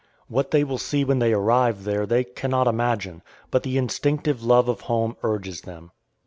What they will see when they arrive there they cannot imagine; but the instinctive love of home urges them.